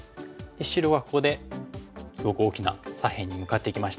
白はここですごく大きな左辺に向かっていきました。